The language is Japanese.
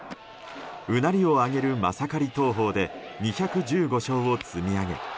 うなりを上げるマサカリ投法で２１５勝を積み上げ